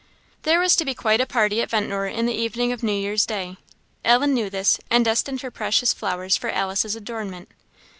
There was to be quite a party at Ventnor in the evening of New Year's day. Ellen knew this, and destined her precious flowers for Alice's adornment.